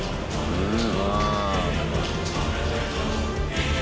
うん。